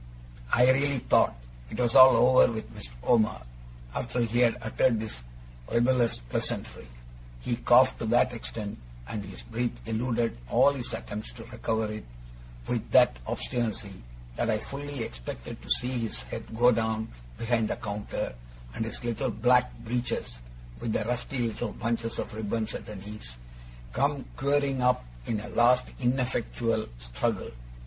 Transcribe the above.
I really thought it was all over with Mr. Omer, after he had uttered this libellous pleasantry. He coughed to that extent, and his breath eluded all his attempts to recover it with that obstinacy, that I fully expected to see his head go down behind the counter, and his little black breeches, with the rusty little bunches of ribbons at the knees, come quivering up in a last ineffectual struggle.